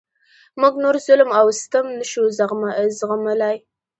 موږ نور ظلم او ستم نشو زغملای.